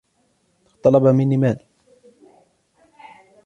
لقد طلب مني مال.